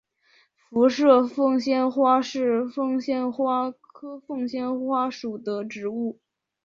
辐射凤仙花是凤仙花科凤仙花属的植物。